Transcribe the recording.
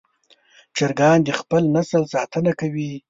چرګان د خپل نسل ساتنه کوي.